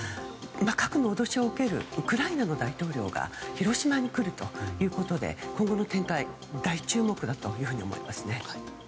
核の脅しを受けるウクライナの大統領が広島に来るということで今後の展開に大注目だと思っています。